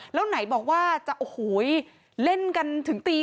แล้วไหนบอกว่าจะโอ้โหเล่นกันถึงตี